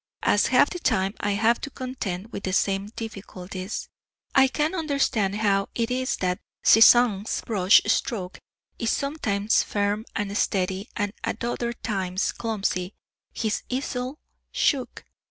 As half the time I have to contend with the same difficulties, I can understand how it is that Cézanne's brush stroke is sometimes firm and steady, and at other times clumsy his easel shook.